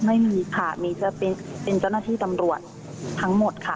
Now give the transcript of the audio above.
ไม่มีค่ะมีจะเป็นเจ้าหน้าที่ตำรวจทั้งหมดค่ะ